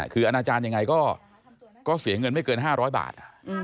คืออนาจารย์ยังไงก็เสียเงินไม่เกิน๕๐๐บาท